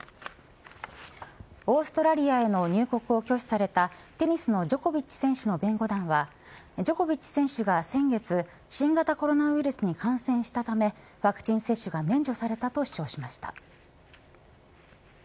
オーストラリアへの入国を拒否されたテニスのジョコビッチ選手の弁護団はジョコビッチ選手が先月、新型コロナウイルスに感染したため、ワクチン接種が免除されたと主張しました。